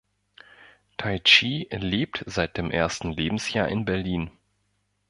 Taichi lebt seit dem ersten Lebensjahr in Berlin.